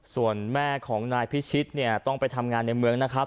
ส่วนแม่ของนายพิชิตเนี่ยต้องไปทำงานในเมืองนะครับ